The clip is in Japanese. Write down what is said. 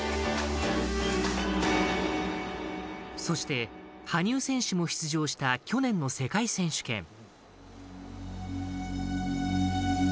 そして羽生選手も出場した去年の世界選手権。